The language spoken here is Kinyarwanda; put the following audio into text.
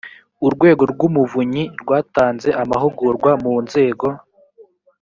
urwego rw’umuvunyi rwatanze amahugurwa mu nzego